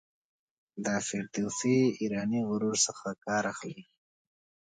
د فردوسي ایرانی غرور څخه کار اخلي.